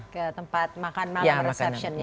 ke tempat makan malam reseptionnya